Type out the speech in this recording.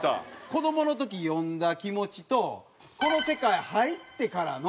子どもの時読んだ気持ちとこの世界入ってからのねえ？